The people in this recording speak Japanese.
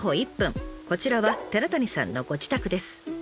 こちらは寺谷さんのご自宅です。